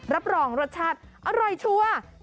รับรองรสชาติอร่อยชัวร์